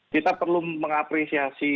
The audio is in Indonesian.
kita perlu mengapresiasi